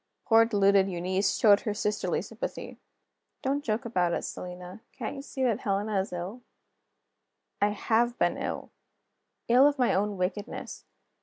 Poor deluded Eunice showed her sisterly sympathy: "Don't joke about it, Selina: can't you see that Helena is ill?" I have been ill; ill of my own wickedness.